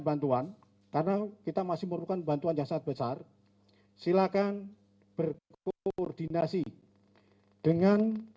bantuan karena kita masih memerlukan bantuan yang sangat besar silakan berkoordinasi dengan